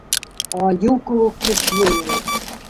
Айыу кеүек көслө!